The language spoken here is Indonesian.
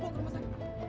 titip kakak jalan dulu ya